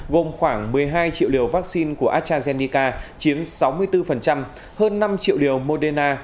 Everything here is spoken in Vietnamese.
gồm khoảng một mươi hai triệu liều vaccine của astrazeneca chiếm sáu mươi bốn hơn năm triệu liều moderna